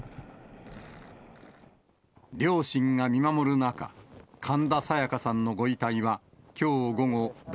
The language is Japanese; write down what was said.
両親が見守る中、神田沙也加さんのご遺体はきょう午後、だ